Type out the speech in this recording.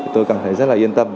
tôi cảm thấy rất là yên tâm